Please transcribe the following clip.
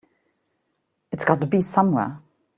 It's got to be somewhere.